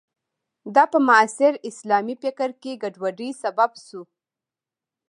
دا په معاصر اسلامي فکر کې ګډوډۍ سبب شو.